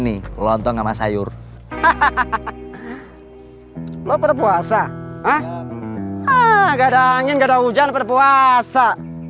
ini lontong sama sayur hahaha lo berpuasa ah ah gak ada angin ada hujan berpuasa